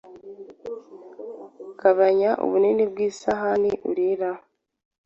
Gabanya ubunini bw’isahani uriraho